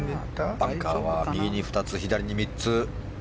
バンカーは右に２つ、左に３つ。